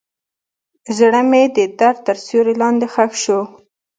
زړه مې د درد تر سیوري لاندې ښخ شو.